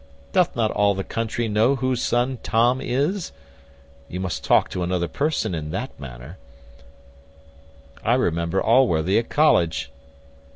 Doth not all the country know whose son Tom is? You must talk to another person in that manner. I remember Allworthy at college."